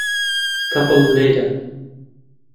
تەپڵ لێدە.